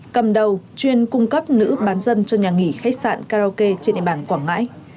cầm đầu chuyên cung cấp nữ bán dân cho nhà nghỉ khách sạn karaoke trên địa bàn quảng ngãi